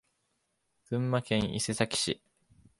群馬県伊勢崎市